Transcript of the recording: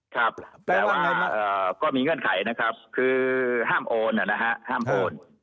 ครับแต่ว่าก็มีเงื่อนไขนะครับคือห้ามโอนนะฮะห้ามโอน